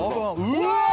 うわ！